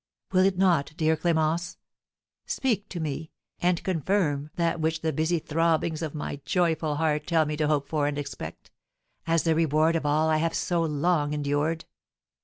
Will it not, dear Clémence? Speak to me, and confirm that which the busy throbbings of my joyful heart tell me to hope for and expect, as the reward of all I have so long endured!"